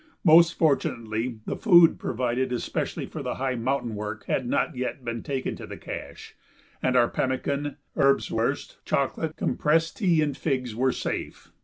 Most fortunately, the food provided especially for the high mountain work had not yet been taken to the cache, and our pemmican, erbswurst, chocolate, compressed tea, and figs were safe.